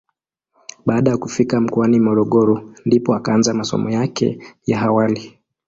Baada ya kufika mkoani Morogoro ndipo akaanza masomo yake ya awali.